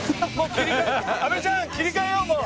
阿部ちゃん切り替えようもう！